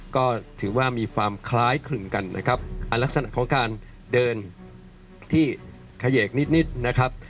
ก็ถือว่ามีความคล้ายคลึงกันนะครับลักษณะของการเดินที่เขยกนิดนิดนะครับ